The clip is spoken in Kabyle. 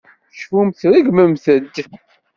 Cfumt, tṛeggmemt-d.